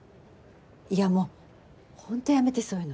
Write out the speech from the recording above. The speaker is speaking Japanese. いやもうほんとやめてそういうの。